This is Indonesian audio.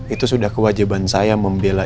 itu sudah kewajiban saya membela